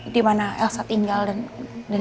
di mana elsa tinggal dan